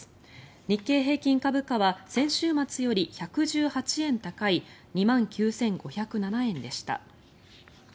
日経平均株価は先週末より１１８円高い２万９５０７円でした。